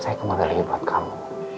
saya kembali lagi buat kamu